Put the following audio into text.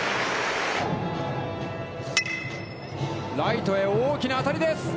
ライトへ大きな当たりです。